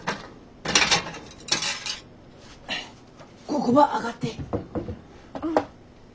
ここば上がって。